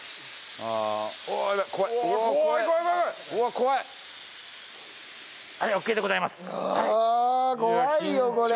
ああ怖いよこれ。